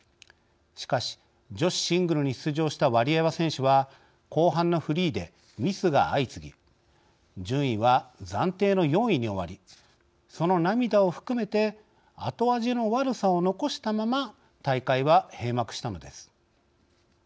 しかし、女子シングルに出場したワリエワ選手は後半のフリーでミスが相次ぎ順位は暫定の４位に終わりその涙を含めて後味の悪さを残したまま大会は閉幕したのです。